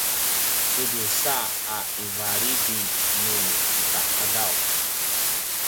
pudrusa a ivalidi nu ita qadaw